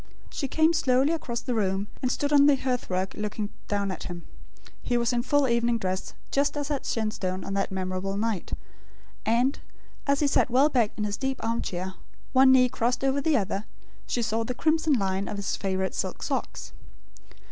She came slowly across the room, and stood on the hearth rug looking down at him. He was in full evening dress; just as at Shenstone on that memorable night; and, as he sat well back in his deep arm chair, one knee crossed over the other, she saw the crimson line of his favourite silk socks.